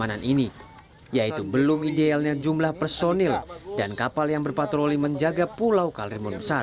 pengamanan ini yaitu belum idealnya jumlah personil dan kapal yang berpatroli menjaga pulau kalemun satu